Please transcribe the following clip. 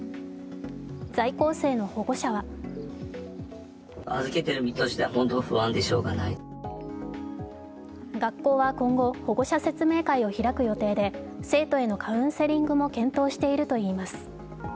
在校生の保護者は学校は今後、保護者説明会を開く予定で生徒へのカウンセリングも検討しているといいます。